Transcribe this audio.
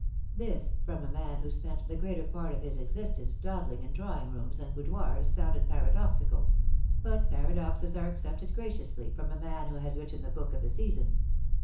This from a man who spent the greater part of his existence dawdling in drawing rooms and boudoirs sounded paradoxical ; but paradoxes are accepted graciously from a man who has written the book of the season.